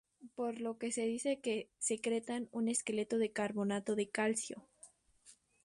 Por lo que se dice que secretan un esqueleto de carbonato de calcio.